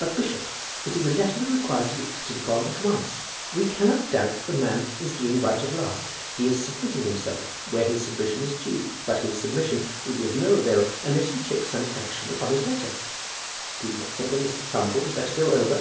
"But, bishop, it is a letter that requires to be acted upon at once. We cannot doubt that the man is doing right at last. He is submitting himself where his submission is due; but his submission will be of no avail unless you take some action upon his letter. Do you not think that Mr. Thumble had better go over?"